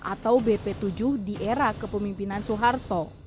atau bp tujuh di era kepemimpinan soeharto